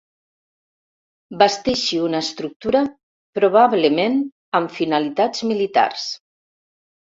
Basteixi una estructura, probablement amb finalitats militars.